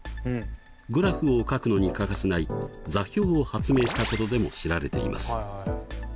グラフを書くのに欠かせない座標を発明したことでも知られています。